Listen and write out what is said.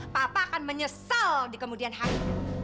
papa akan menyesal di kemudian hari